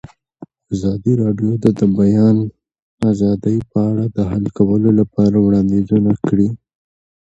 ازادي راډیو د د بیان آزادي په اړه د حل کولو لپاره وړاندیزونه کړي.